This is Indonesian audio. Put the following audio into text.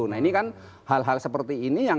nah ini kan hal hal seperti ini yang